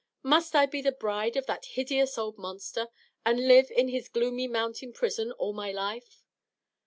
"Must I be the bride of that hideous old monster, and live in his gloomy mountain prison all my life?"